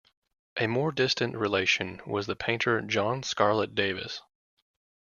A more distant relation was the painter John Scarlett Davis.